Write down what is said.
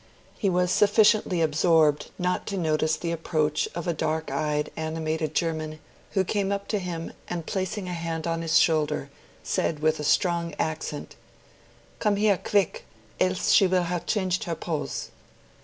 He was sufficiently absorbed not to notice the approach of a dark eyed, animated German who came up to him and placing a hand on his shoulder, said with a strong accent, "Come here, quick! else she will have changed her pose."